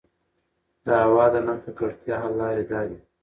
د هـوا د نـه ککـړتيا حـل لـارې دا دي: